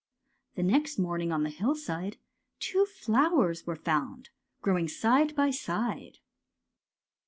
" The next morning on the hillside two flowers were found, growing side by side.